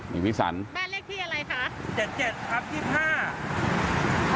นี่วิสันฯแบบเลขที่อะไรคะ